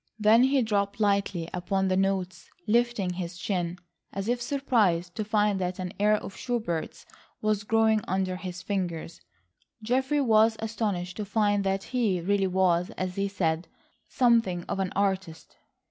Then he dropped lightly upon the notes, lifting his chin, as if surprised to find that an air of Schubert's was growing under his fingers. Geoffrey was astonished to find that he really was, as he said, something of an artist.